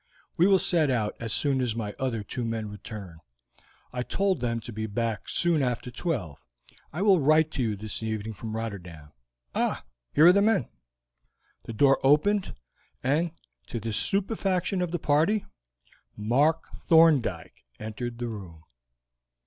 "We will set out as soon as my other two men return. I told them to be back soon after twelve. I will write to you this evening from Rotterdam. Ah! here are the men." The door opened, and, to the stupefaction of the party, Mark Thorndyke entered the room.